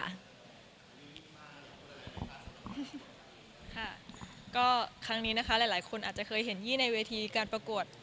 ค่ะก็ครั้งนี้นะคะหลายหลายคนอาจจะเคยเห็นยี่ในเวทีการประกวด